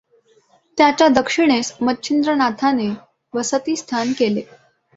त्याच्या दक्षिणेस मच्छिंद्रनाथानें वसति स्थान केलें.